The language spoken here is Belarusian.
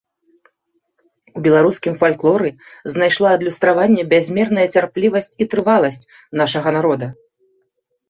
У беларускім фальклоры знайшла адлюстраванне бязмерная цярплівасць і трываласць нашага народа.